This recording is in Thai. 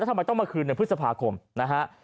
ทำไมต้องมาคืนในพฤษภาคมนะฮะ